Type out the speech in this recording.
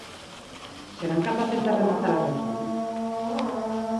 Serán capaces de rematar a reforma?